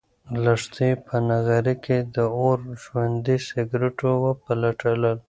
لښتې په نغري کې د اور ژوندي سکروټي وپلټل.